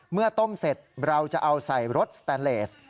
เมื่อต้มเสร็จเราจะเอาใส่รสสแตนเลส